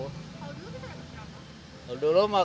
kalau dulu kita naik berapa